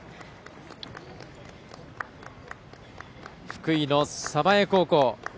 福井の鯖江高校。